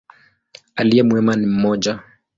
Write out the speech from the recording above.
Aliye mwema ni mmoja.